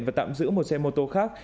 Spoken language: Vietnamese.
và tạm giữ một xe mô tô khác